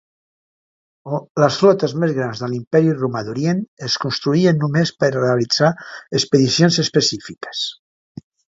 Les flotes més grans de l'Imperi Romà d'Orient es construïen només per realitzar expedicions específiques.